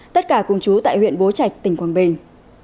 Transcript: tất cả cùng chú tại huyện bố trạch tỉnh quảng bình